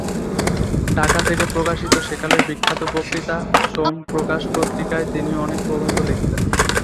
ঢাকা থেকে প্রকাশিত সেকালের বিখ্যাত পত্রিকা ‘সোম প্রকাশ’ পত্রিকায় তিনি অনেক প্রবন্ধ লিখতেন।